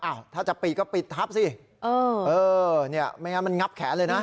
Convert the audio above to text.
อ้าวถ้าจะปิดก็ปิดทับสิไม่งั้นมันงับแขนเลยนะ